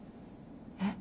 えっ。